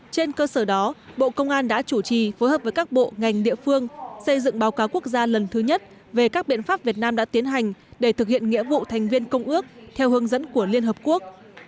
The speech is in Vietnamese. trên cơ sở đó bộ công an đã chủ trì phối hợp với các bộ ngành địa phương xây dựng báo cáo quốc gia lần thứ nhất về các biện pháp việt nam đã tiến hành để thực hiện nghĩa vụ thành viên công ước theo hướng dẫn của liên hợp quốc